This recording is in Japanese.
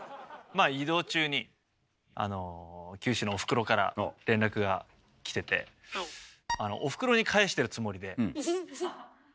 まあ移動中に九州のおふくろからの連絡が来てておふくろに返してるつもりで。